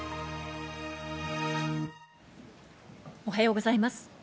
おはようございます。